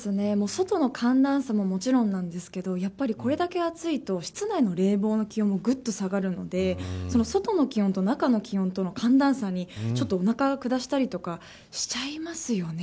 外の寒暖差ももちろんなんですけどこれだけ暑いと室内の冷房の気温もぐっと下がるので外の気温と中の気温との寒暖差におなかを下したりとかしちゃいますよね。